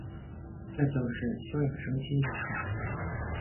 这就是休养生息的政策。